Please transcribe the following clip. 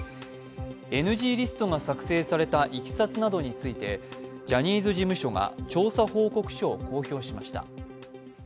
ＮＧリストが作成されたいきさつなどについてジャニーズ事務所が調査報告書を公表しました。